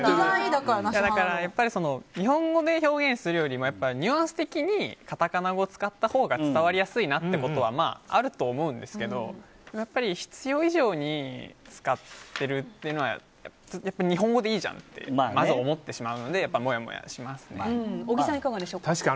やっぱり日本語で表現するよりもニュアンス的にカタカナ語を使ったほうが伝わりやすいなってことはあると思うんですけど必要以上に使ってるというのは日本語でいいじゃんってまず思ってしまうので小木さんいかがでしょうか。